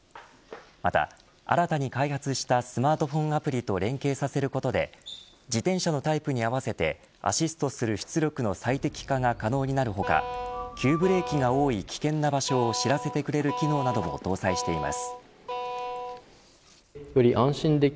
また新たに開発したスマートフォンアプリと連携させることで自転車のタイプに合わせてアシストする出力の最適化が可能になる他急ブレーキが多い危険な場所を知らせてくれる機能なども搭載しています。